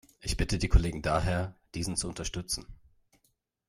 Ich bitte die Kollegen daher, diesen zu unterstützen.